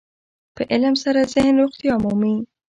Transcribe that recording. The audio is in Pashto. په علم سره ذهن روغتیا مومي.